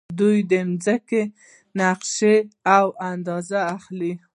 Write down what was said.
دوی د ځمکې نقشه او اندازه اخلي.